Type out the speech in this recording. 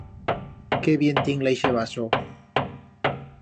Qué bien tingla ixe vaso.